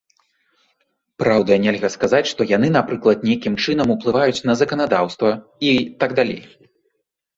Праўда, нельга сказаць, што яны напрыклад, нейкім чынам уплываюць на заканадаўства і так далей.